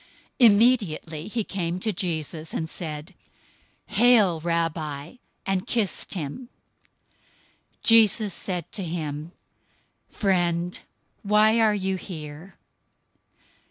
026:049 Immediately he came to Jesus, and said, "Hail, Rabbi!" and kissed him. 026:050 Jesus said to him, "Friend, why are you here?"